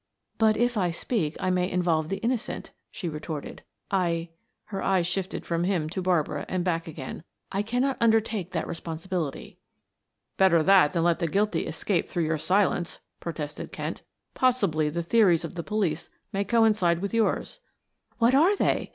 "But if I speak I may involve the innocent," she retorted. "I " her eyes shifted from him to Barbara and back again. "I cannot undertake that responsibility." "Better that than let the guilty escape through your silence," protested Kent. "Possibly the theories of the police may coincide with yours. "What are they?"